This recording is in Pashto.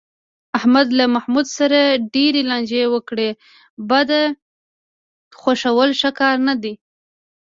احمد له محمود سره ډېرې لانجې وکړې، بده خوښول ښه کار نه دی.